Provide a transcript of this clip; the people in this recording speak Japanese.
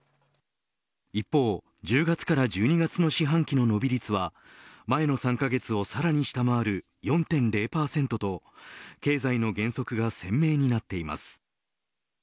一方１０月から１２月の四半期の伸び率は前の３カ月をさらに下回る４．０％と経済の減速が鮮明になっています。